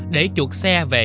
để chuột xe về